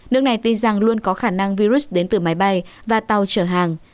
nước này tin rằng luôn có khả năng virus đến từ máy bay và tàu chở hàng